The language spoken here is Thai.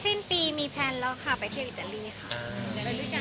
สิ้นปีมีแพลนแล้วค่ะไปเที่ยวอิตาลีค่ะ